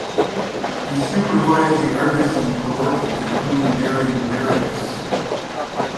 He supervised the artist in her work at the Hermann Goering Barracks.